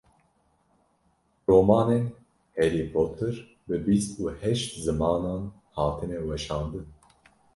Romanên Harry Potter bi bîst û heşt zimanan hatine weşandin.